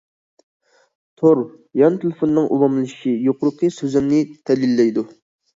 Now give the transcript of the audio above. تور، يان تېلېفوننىڭ ئومۇملىشىشى يۇقىرىقى سۆزۈمنى دەلىللەيدۇ.